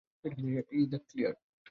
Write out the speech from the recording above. Is that clear?